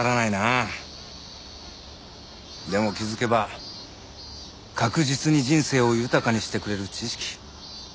でも気づけば確実に人生を豊かにしてくれる知識